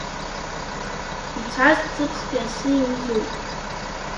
Ицаз ҵыԥхтәи асы иаҩызоуп.